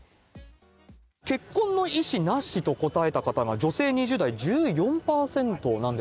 結婚の意思なしと答えた方が、女性２０代、多くない？